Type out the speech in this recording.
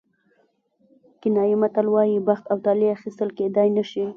کینیايي متل وایي بخت او طالع اخیستل کېدای نه شي.